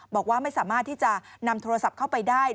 บอกว่าไม่สามารถที่จะนำโทรศัพท์เข้าไปได้